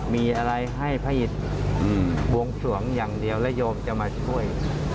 มีอะไรให้พระอิตบวงสวงอย่างเดียวและโยมจะมาช่วย